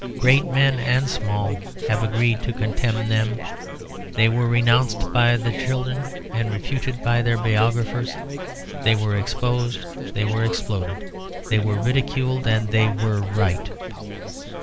Great men and small have agreed to contemn them; they were renounced by their children and refuted by their biographers; they were exposed, they were exploded, they were ridiculed and they were right.